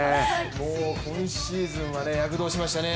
もう今シーズンは躍動しましたね。